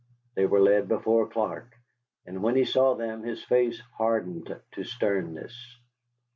They were led before Clark, and when he saw them his face hardened to sternness.